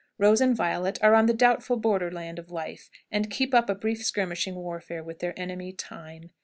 Rose and Violet are on the doubtful border land of life, and keep up a brisk skirmishing warfare with their enemy, Time.